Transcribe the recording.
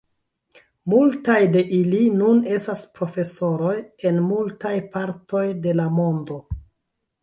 Multaj de ili nun estas profesoroj en multaj partoj de la mondo.